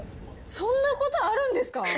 そんなことあるんですか？